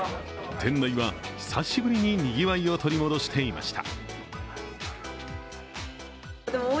店内は久しぶりににぎわいを取り戻していました。